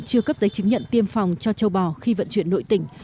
chưa cấp giấy chứng nhận tiêm phòng cho châu bò khi vận chuyển nội tỉnh